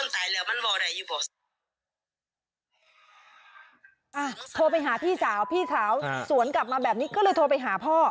โทรไปหาพี่สาวพี่สาวสวนกลับมาแบบนี้ก็เลยโทรไปหาพ่อ